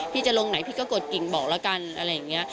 จะลงไหนพี่ก็กดกิ่งบอกแล้วกันอะไรอย่างนี้